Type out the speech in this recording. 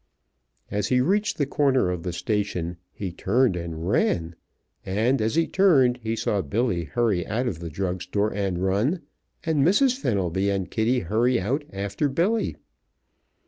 As he reached the corner of the station he turned and ran, and as he turned he saw Billy hurry out of the drug store and run, and Mrs. Fenelby and Kitty hurry out after Billy.